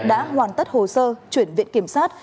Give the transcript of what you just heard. đã hoàn tất hồ sơ chuyển viện kiểm soát